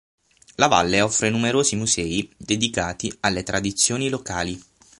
La valle offre numerosi musei dedicati alle tradizioni locali.